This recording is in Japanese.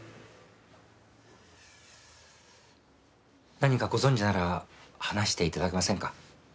何かご存じなら話して頂けませんか？